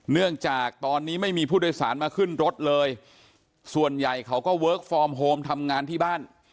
เนื่องจากตอนนี้ไม่มีผู้โดยสารมาขึ้นรถเลยส่วนใหญ่เขาก็เวิร์คฟอร์มโฮมทำงานที่บ้าน